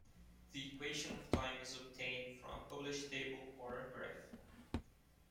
The equation of time is obtained from a published table, or a graph.